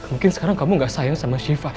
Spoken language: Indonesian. mungkin sekarang kamu gak sayang sama shiva